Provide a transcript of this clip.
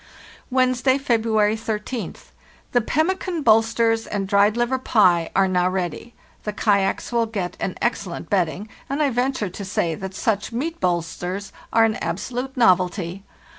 "Wednesday, February 13th. The pemmican bolsters and dried liver pie are now ready; the kayaks will get an excellent bedding, and I venture to say that such meat bolsters are an absolute novelty.